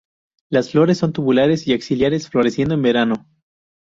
Las flores son tubulares y axilares, floreciendo en verano.